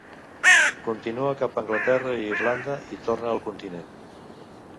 Continua cap a Anglaterra i Irlanda i torna al continent.